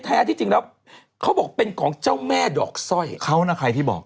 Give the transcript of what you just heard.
แท้ที่จริงแล้วเขาบอกเป็นของเจ้าแม่ดอกสร้อยเขานะใครที่บอก